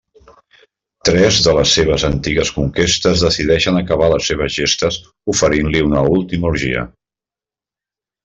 Tres de les seves antigues conquestes decideixen acabar les seves gestes oferint-li una última orgia.